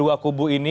dengan kubu ini